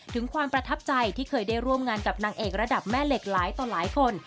ถึงความประทับใจที่เคยได้ร่วมงานกับนางเอกระดับแม่เหล็กหลายต่อหลายคน